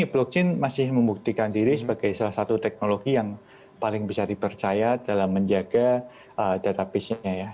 sejauh ini blockchain masih membuktikan diri sebagai salah satu teknologi yang paling bisa dipercaya dalam menjaga data base nya ya